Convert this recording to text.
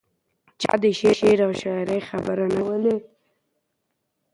چا د شعر او شاعرۍ خبرې نه کولې.